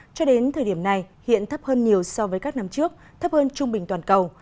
cho đến thời điểm này hiện thấp hơn nhiều so với các năm trước thấp hơn trung bình toàn cầu